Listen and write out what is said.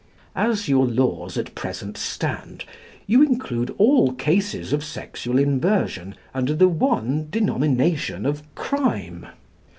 As your laws at present stand, you include all cases of sexual inversion under the one domination of crime.